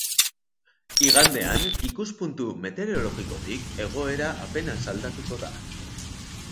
Igandean, ikuspuntu meteorologikotik egoera apenas aldatuko da.